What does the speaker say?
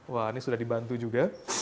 wah ini sudah dibantu juga